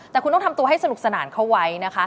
แต่คุณต้องทำตัวให้สนุกสนานเข้าไว้นะคะ